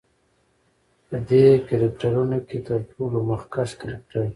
په دې کرکترونو کې تر ټولو مخکښ کرکتر